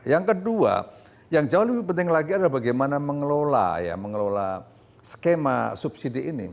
yang kedua yang jauh lebih penting lagi adalah bagaimana mengelola ya mengelola skema subsidi ini